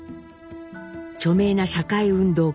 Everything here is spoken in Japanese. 著名な社会運動家